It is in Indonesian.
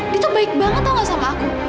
dia tuh baik banget tau nggak sama aku